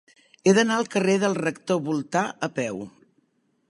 He d'anar al carrer del Rector Voltà a peu.